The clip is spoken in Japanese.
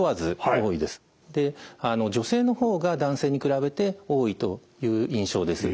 女性の方が男性に比べて多いという印象です。